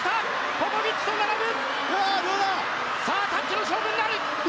ポポビッチと並ぶ！